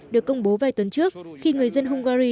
được công bố vài tuần trước khi người dân hungary